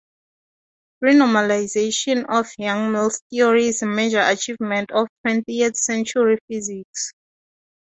Renormalization of Yang-Mills theory is a major achievement of twentieth century physics.